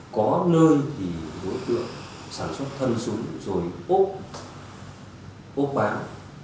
có nơi thì đối tượng sản xuất thân dùng rồi ốp bán